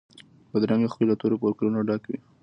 بدرنګه خوی له تورو فکرونو ډک وي